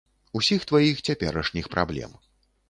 Усіх тваіх цяперашніх праблем.